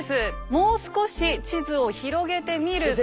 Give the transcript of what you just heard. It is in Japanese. もう少し地図を広げてみると。